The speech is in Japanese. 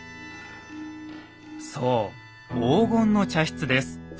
そう黄金の茶室です。